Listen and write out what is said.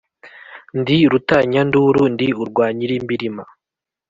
ndi rutanyanduru, ndi urwa nyilimbirima,